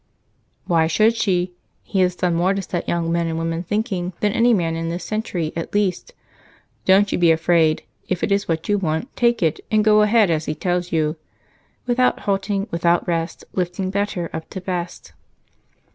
"Why should she? He has done more to set young men and women thinking than any man in this century at least. Don't you be afraid if it is what you want, take it, and go ahead as he tells you "Without halting, without rest, Lifting Better up to Best."